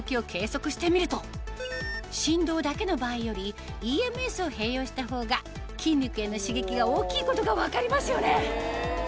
振動だけの場合よりＥＭＳを併用したほうが筋肉への刺激が大きいことが分かりますよね